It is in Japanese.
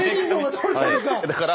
だから